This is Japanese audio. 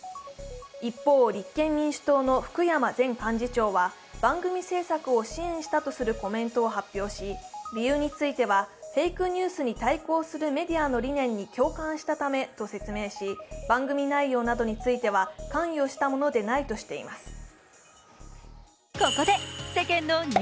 一方、立憲民主党の福山前幹事長は番組制作を支援したとするコメントを発表し、フェイクニュースに対抗するメディアのリネンに共感したためと説明し番組内容などについては関与したものではないとしています。